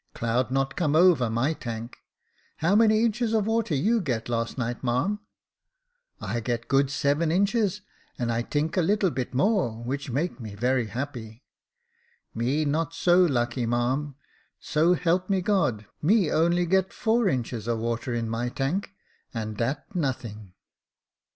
Cloud not come over my tank. How many inches of water you get last night, marm ?'"* I get good seven inches, and I tink a little bit more, which make me very happy.' "* Me no so lucky, marm ; so help me God, me only get four inches of water in my tank ; and dat nothing.'